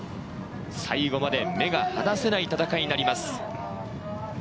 最後まで目が離せない戦いになります。